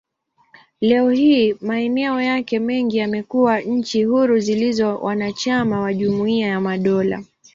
Leo hii, maeneo yake mengi yamekuwa nchi huru zilizo wanachama wa Jumuiya ya Madola.